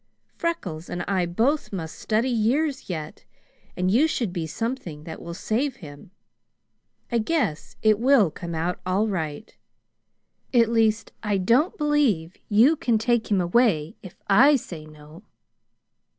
Freckles and I both must study years yet, and you should be something that will save him. I guess it will come out all right. At least, I don't believe you can take him away if I say no."